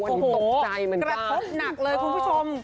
โหกระทบหนักเลยคุณผู้ชม